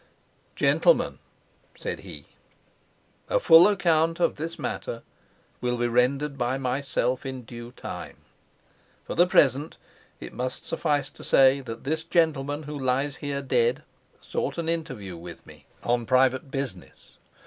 "Gentlemen," said he, "a full account of this matter will be rendered by myself in due time. For the present it must suffice to say that this gentleman who lies here dead sought an interview with me on private business.